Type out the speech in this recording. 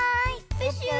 プシュー！